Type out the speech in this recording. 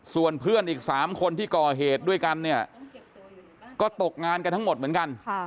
ส่วนเพื่อนอีก๓คนที่ก่อเหตุด้วยกันเนี่ยก็ตกงานกันทั้งหมดเหมือนกัน